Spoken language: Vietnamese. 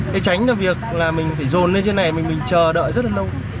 để tránh được việc là mình phải dồn lên trên này mình chờ đợi rất là lâu